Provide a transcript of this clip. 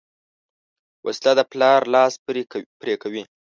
وسله د پلار لاس پرې کوي